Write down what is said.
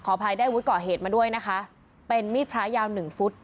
อภัยได้อาวุธก่อเหตุมาด้วยนะคะเป็นมีดพระยาวหนึ่งฟุต